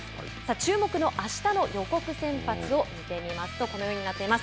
注目のあしたの予告先発を見てみますとこのようになっています。